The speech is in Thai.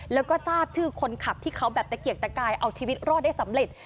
แล้วก็ทราบชื่อคนขับที่เขาแบบตะเกียกตะกายเอาชีวิตรอดได้สำเร็จ